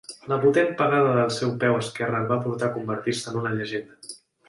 La potent pegada del seu peu esquerre el va portar a convertir-se en una llegenda.